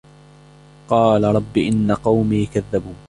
قال رب إن قومي كذبون